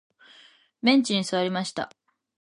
ベンチに座りました。